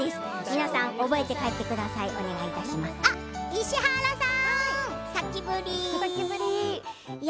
皆さん覚えて帰ってください。